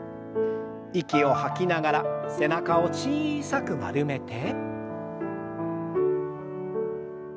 息を吐きながら背中を小さく丸めて。